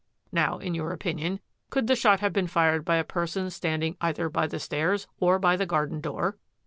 Now in your opinion could the shot have been fired by a person standing either by the stairs or by the garden door?